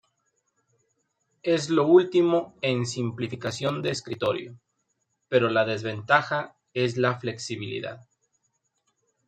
Es lo último en simplificación de escritorio, pero la desventaja es la flexibilidad.